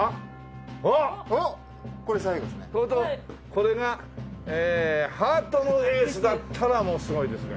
これがハートのエースだったらもうすごいですね。